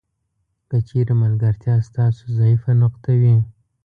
که چیرې ملګرتیا ستاسو ضعیفه نقطه وي.